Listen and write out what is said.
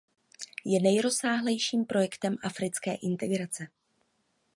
Je nejrozsáhlejším projektem africké integrace.